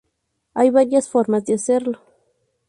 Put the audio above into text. Hay varias formas de hacerlo.